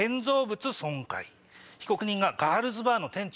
被告人がガールズバーの店長。